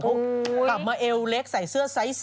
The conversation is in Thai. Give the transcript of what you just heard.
กลับมาเอวเล็กใส่เสื้อไซส์